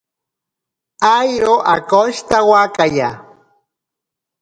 Airo akoshitawakaya.